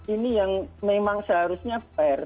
ini yang memang seharusnya fair